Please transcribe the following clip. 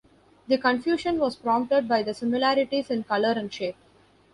The confusion was prompted by the similarities in colour and shape.